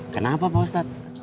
kenapa pak ustadz